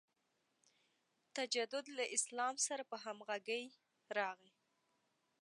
تجدد له اسلام سره په همغږۍ راغی.